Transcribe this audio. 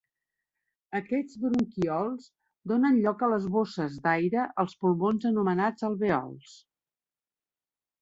Aquests bronquíols donen lloc a les bosses d'aire als pulmons anomenats alvèols.